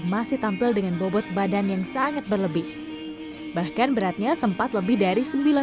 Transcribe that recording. masih tampil dengan bobot badan yang sangat berlebih bahkan beratnya sempat lebih dari